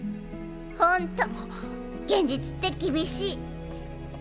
本当現実って厳しい。